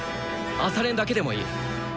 朝練だけでもいい。